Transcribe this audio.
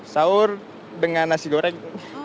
sahur dengan nasi goreng